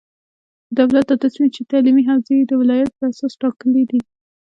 د دولت دا تصمیم چې تعلیمي حوزې یې د ولایت په اساس ټاکلې دي،